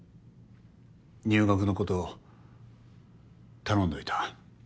入学のこと頼んどいた。